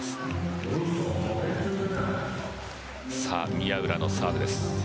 宮浦のサーブです。